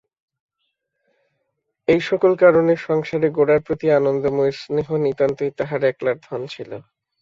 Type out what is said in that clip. এই-সকল কারণে সংসারে গোরার প্রতি আনন্দময়ীর স্নেহ নিতান্তই তাঁহার একলার ধন ছিল।